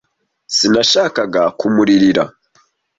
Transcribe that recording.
Sinashakaga kumuririra.